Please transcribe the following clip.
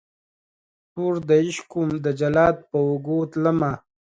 توردعشق وم دجلاد په اوږو تلمه